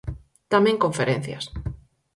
Tamén conferencias.